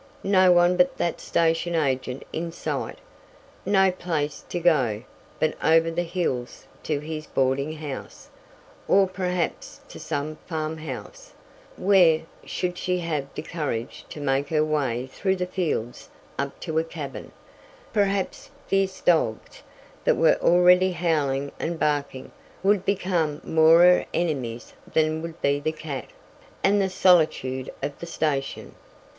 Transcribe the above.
No one but that station agent in sight! No place to go, but over the hills to his boarding house, or perhaps to some farm house; where, should she have the courage to make her way through the fields up to a cabin, perhaps fierce dogs, that were already howling and barking, would become more her enemies than would be the cat, and the solitude of the station.